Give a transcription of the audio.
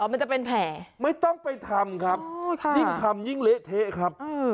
อ๋อมันจะเป็นแผลไม่ต้องไปทำครับอ๋อค่ะยิ่งทำยิ่งเละเทครับอืม